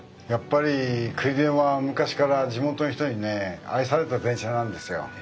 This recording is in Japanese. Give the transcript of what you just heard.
やっぱりくりでんは昔から地元の人にね愛された電車なんですよ。